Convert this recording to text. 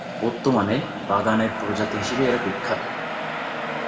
বর্তমানে বাগানের প্রজাতি হিসেবে এরা বিখ্যাত।